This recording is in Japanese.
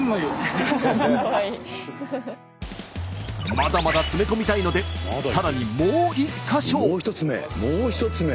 まだまだ詰め込みたいのでさらにもう一か所。